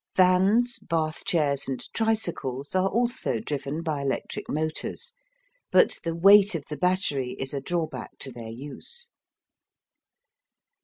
Vans, bath chairs, and tricycles are also driven by electric motors, but the weight of the battery is a drawback to their use.